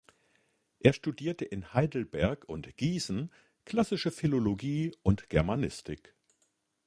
Er studierte in Heidelberg und Gießen Klassische Philologie und Germanistik.